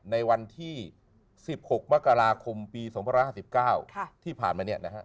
ในวันที่๑๖มกราคมปี๒๕๙ที่ผ่านมา